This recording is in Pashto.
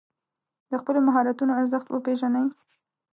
د خپلو مهارتونو ارزښت وپېژنئ.